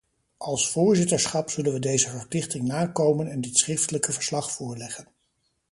Als voorzitterschap zullen we deze verplichting nakomen en dit schriftelijke verslag voorleggen.